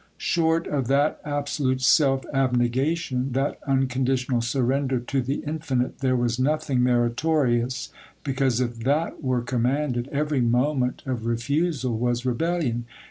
Short of that absolute self abnegation, that unconditional surrender to the Infinite, there was nothing meritorious,—because, if that were commanded, every moment of refusal was rebellion.